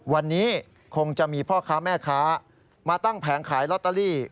วันนี้คงจะมีพ่อค้าแม่ค้ามาตั้งแผงขายลอตเตอรี่